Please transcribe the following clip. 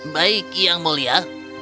baik yang mulia